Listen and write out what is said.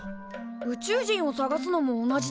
宇宙人を探すのも同じだよね。